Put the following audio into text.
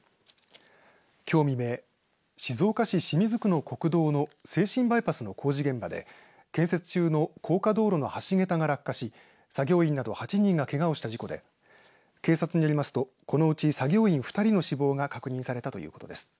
きょう未明静岡市清水区の国道の静清バイパスの工事現場で建設中の高架道路の橋桁が落下し作業員など８人がけがをした事故で警察によりますとこのうち作業員２人の死亡が確認されたということです。